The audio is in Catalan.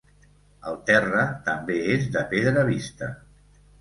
El terra també és de pedra vista.